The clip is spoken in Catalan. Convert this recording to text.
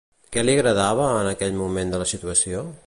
Què li agradava en aquell moment de la situació?